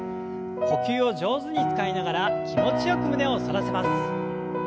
呼吸を上手に使いながら気持ちよく胸を反らせます。